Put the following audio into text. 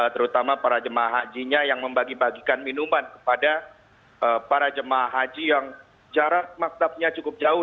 terutama para jemaah hajinya yang membagi bagikan minuman kepada para jemaah haji yang jarak maktabnya cukup jauh